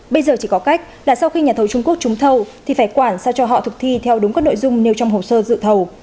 bây giờ chỉ có cách là sau khi nhà thầu trung quốc trúng thầu thì phải quản sao cho họ thực thi theo đúng các nội dung nêu trong hồ sơ dự thầu